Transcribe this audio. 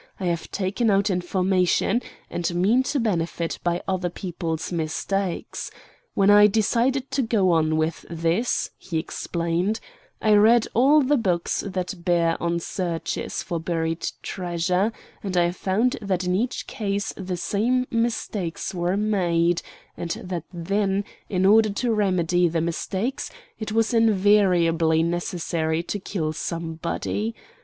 I have taken out information, and mean to benefit by other people's mistakes. When I decided to go on with this," he explained, "I read all the books that bear on searches for buried treasure, and I found that in each case the same mistakes were made, and that then, in order to remedy the mistakes, it was invariably necessary to kill somebody.